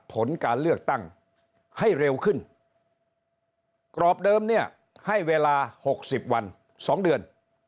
ผลการเลือกตั้งให้เร็วขึ้นกรอบเดิมเนี่ยให้เวลา๖๐วัน๒เดือน